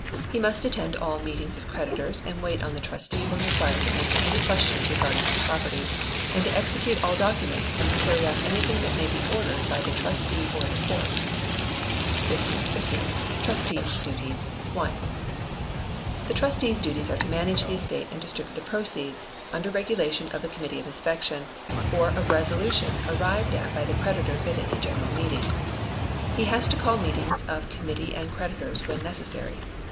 He must attend all meetings of creditors, and wait on the Trustee when required to answer any questions regarding his property, and to execute all documents and to carry out anything that may be ordered by the Trustee or the Court. 1550. Trustee's Duties (1). The trustee's duties are to manage the estate and distribute the proceeds, under regulation of the committee of inspection, or of resolutions arrived at by the creditors at any general meeting. He has to call meetings of committee and creditors when necessary.